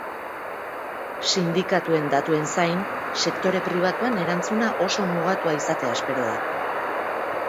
Sindikatuen datuen zain, sektore pribatuan erantzuna oso mugatua izatea espero da.